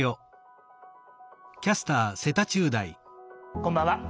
こんばんは。